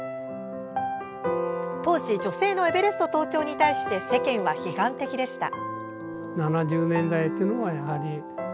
当時、女性のエベレスト登頂に対して、世間は批判的でした。